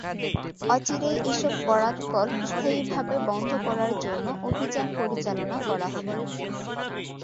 অচিরেই এসব করাতকল স্থায়ীভাবে বন্ধ করার জন্য অভিযান পরিচালনা করা হবে।